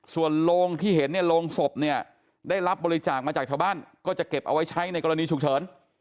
ส่วนโรงที่เห็นเนี่ยโรงศพเนี่ยได้รับบริจาคมาจากชาวบ้านก็จะเก็บเอาไว้ใช้ในกรณีฉุกเฉิน